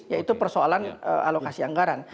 yaitu persoalan alokasi anggaran